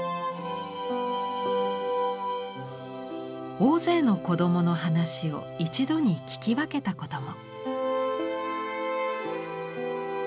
大勢の子供の話を一度に聞き分けたことも。